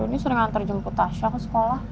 duh ini sering antar jemput tasya ke sekolah